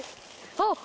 あっ。